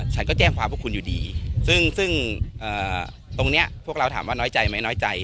ฉันก็แจ้งความพวกคุณอยู่ดีซึ่งตรงนี้พวกเราถามว่าน้อยใจไหมน้อยใจ